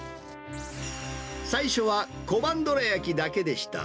最初は小判どらやきだけでした。